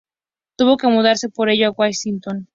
Tuvo que mudarse por ello a Washington.